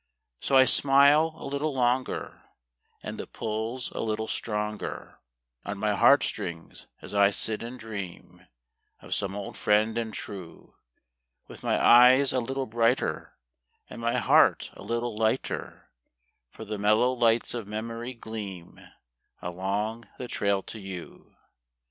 S O I smile a little longer, And the pull's a little stronger On mg heart strings as I sit and ] dream of some old "friend and true °(Dith mg eges a little brighter And mg heart a little lighter, por the mellow lights OT memorij qleam Aloncj the trail to gou.